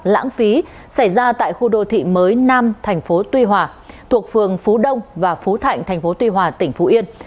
lãng phí xảy ra tại khu đô thị mới nam thành phố tuy hòa thuộc phường phú đông và phú thạnh tp tuy hòa tỉnh phú yên